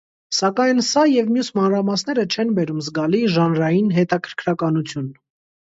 Սակայն սա և մյուս մանրամասները չեն բերում զգալի ժանրային հետաքրքրականություն։